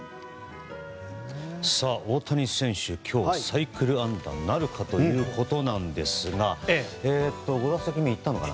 大谷選手、今日サイクル安打なるかということですがこれはいったのかな？